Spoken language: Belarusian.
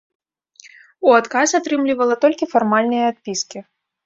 У адказ атрымлівала толькі фармальныя адпіскі.